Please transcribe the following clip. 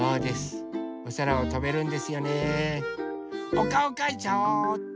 おかおかいちゃおうっと！